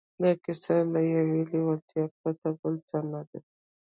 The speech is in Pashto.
دا کیسه له یوې لېوالتیا پرته بل څه نه ده